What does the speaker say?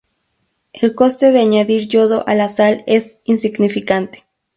El coste de añadir yodo a la sal es insignificante.